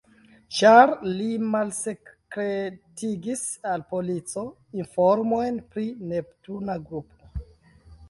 Ĉar li malsekretigis al polico informojn pri Neptuna grupo.